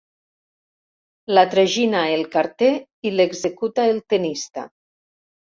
La tragina el carter i l'executa el tennista.